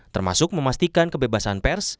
termasuk memastikan kebebasan pers